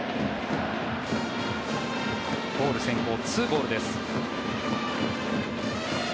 ボール先行、２ボールです。